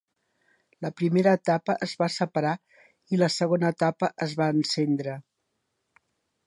La primera etapa es va separar i la segona etapa es va encendre.